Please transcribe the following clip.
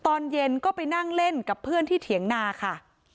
ตอนเย็นก็ไปนั่งเล่นกับเพื่อนที่เถียงนาค่ะ